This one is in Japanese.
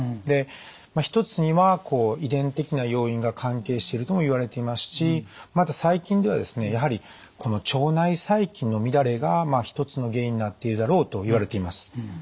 で一つには遺伝的な要因が関係しているともいわれていますしまた最近ではですねやはり腸内細菌の乱れが一つの原因になっているだろうといわれています。